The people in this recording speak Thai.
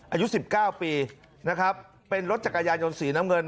อายุ๑๙ปีนะครับเป็นรถจักรยานยนต์สีน้ำเงิน